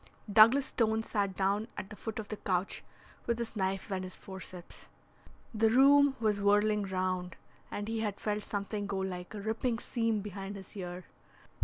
Douglas Stone sat down at the foot of the couch with his knife and his forceps. The room was whirling round, and he had felt something go like a ripping seam behind his ear.